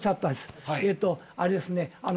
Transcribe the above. あれですね。